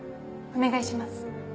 お願いします。